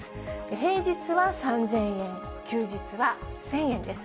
平日は３０００円、休日は１０００円です。